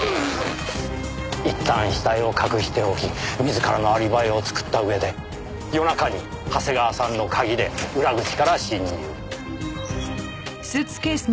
いったん死体を隠しておき自らのアリバイを作った上で夜中に長谷川さんの鍵で裏口から侵入。